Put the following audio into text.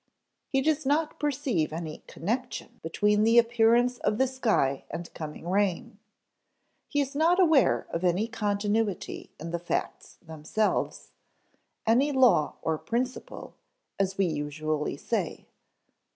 He does not perceive any connection between the appearance of the sky and coming rain; he is not aware of any continuity in the facts themselves any law or principle, as we usually say.